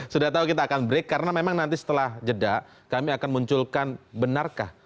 sudah tahu kita akan break karena memang nanti setelah jeda kami akan munculkan benarkah